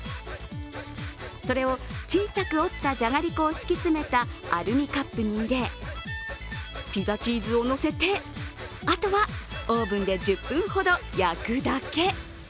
それを小さく折ったじゃがりこを敷き詰めたアルミカップに入れピザチーズを載せてあとはオーブンで１０分ほど焼くだけ。